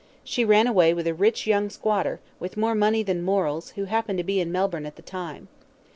She ran away with a rich young squatter, with more money than morals, who happened to be in Melbourne at the time.